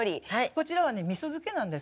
こちらは味噌漬けなんです。